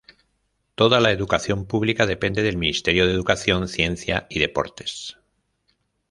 Toda la educación pública depende del Ministerio de Educación, Ciencia y Deportes.